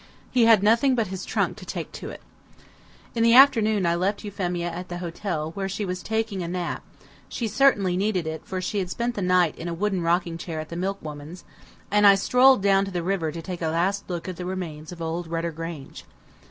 He had nothing but his trunk to take to it. In the afternoon I left Euphemia at the hotel, where she was taking a nap (she certainly needed it, for she had spent the night in a wooden rocking chair at the milk woman's), and I strolled down to the river to take a last look at the remains of old Rudder Grange.